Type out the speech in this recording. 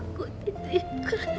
aku tidak ingat